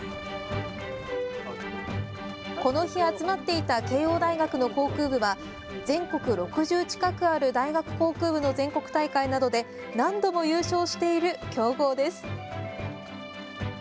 この日、集まっていた慶応大学の航空部は全国６０近くある大学航空部の全国大会などで何度も優勝している強豪です。